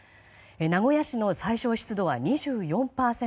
名古屋市の最小湿度は２４％。